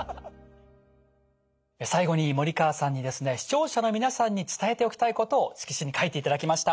最後に森川さんにですね視聴者の皆さんに伝えておきたいことを色紙に書いていただきました。